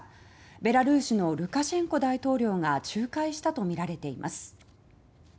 ベラルーシのルカシェンコ大統領が仲介したとみられています。